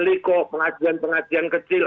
liko pengajian pengajian kecil